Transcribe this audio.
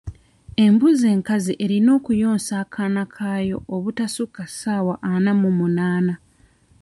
Embuzi enkazi erina okuyonsa akaana kaayo obutasukka ssaawa ana mu munaana.